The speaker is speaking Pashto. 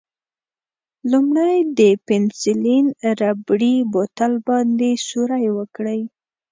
لومړی د پنسیلین ربړي بوتل باندې سوری وکړئ.